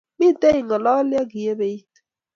Metee ingalali ak iebit